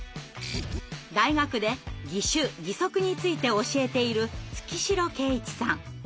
大学で義手義足について教えている月城慶一さん。